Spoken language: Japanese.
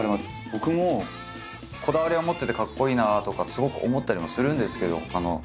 僕もこだわりは持っててかっこいいなあとかすごく思ったりもするんですけど。